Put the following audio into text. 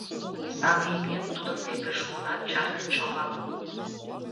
Саде имнет тудын деке шуынат, чарнен шогалын.